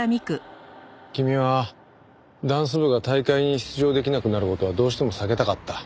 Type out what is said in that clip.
君はダンス部が大会に出場できなくなる事はどうしても避けたかった。